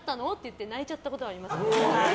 って泣いちゃったことはあります。